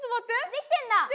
できてんだ。